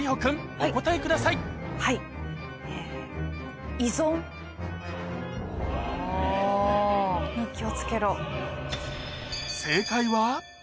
お答えくださいに気を付けろ。